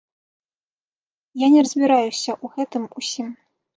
Я не разбіраюся ў гэтым усім.